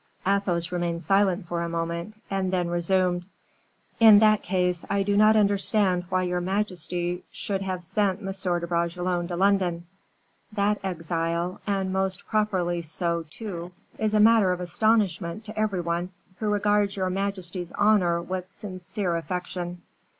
Athos remained silent for a moment, and then resumed: "In that case, I do not understand why your majesty should have sent M. de Bragelonne to London. That exile, and most properly so, too, is a matter of astonishment to every one who regards your majesty's honor with sincere affection."